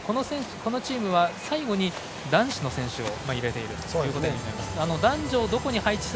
このチームは最後に男子の選手を入れているということです。